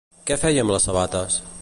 Què feia amb les sabates?